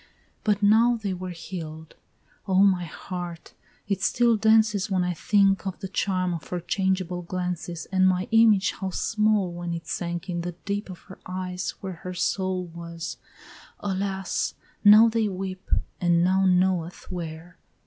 But now they were heal'd, O my heart, it still dances When I think of the charm of her changeable glances, And my image how small when it sank in the deep Of her eyes where her soul was, Alas! now they weep, And none knoweth where.